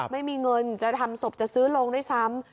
ไม่มีเงินจะทำศพจะซื้อโรงด้วยซ้ำ